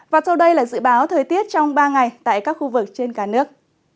và sau đây là dự báo thời tiết trong ba ngày tại các khu vực trên cả nước